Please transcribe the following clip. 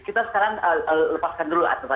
kita sekarang lepaskan dulu